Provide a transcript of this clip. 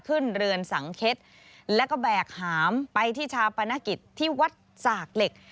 เรือนสังเข็ดแล้วก็แบกหามไปที่ชาปนกิจที่วัดสากเหล็ก